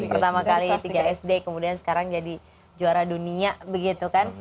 pertama kali tiga sd kemudian sekarang jadi juara dunia begitu kan